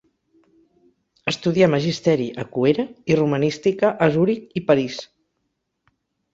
Estudià magisteri a Cuera, i romanística a Zuric i París.